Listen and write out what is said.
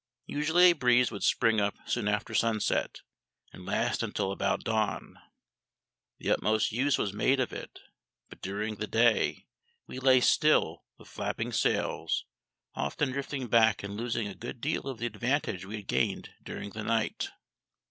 Usually a breeze would spring up soon after sunset, and last until about dawn. The utmost use was made of it, but during the day we lay still with flapping sails, often drifting back and losing a good deal of the advantage we had gained during the night.